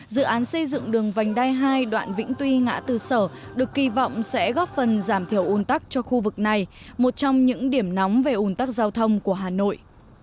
dự án xây dựng đường vành đai hai đoạn vĩnh tuy ngã tư sở được kỳ vọng sẽ góp phần giảm thiểu un tắc cho khu vực này một trong những điểm nóng về ủn tắc giao thông của hà nội